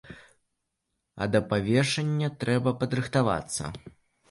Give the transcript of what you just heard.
А да павешання трэба падрыхтавацца.